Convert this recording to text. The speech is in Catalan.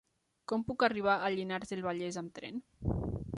Com puc arribar a Llinars del Vallès amb tren?